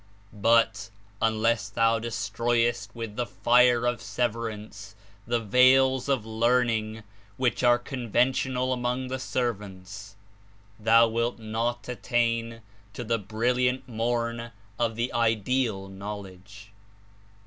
But, unless thou destroy est with the fire of Severance the veils of learning, which are conventional among the servants, thou wilt not attain to the brilliant morn of the Ideal Knowl edge.''